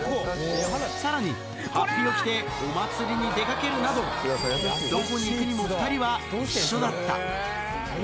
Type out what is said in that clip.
さらに、はっぴを着てお祭りに出かけるなど、どこに行くにも２人は一緒だった。